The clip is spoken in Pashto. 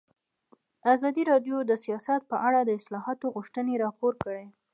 ازادي راډیو د سیاست په اړه د اصلاحاتو غوښتنې راپور کړې.